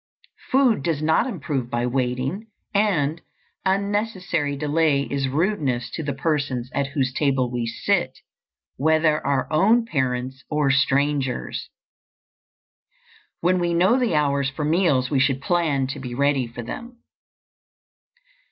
Food does not improve by waiting, and unnecessary delay is rudeness to the persons at whose table we sit, whether our own parents or strangers. When we know the hours for meals we should plan to be ready for them.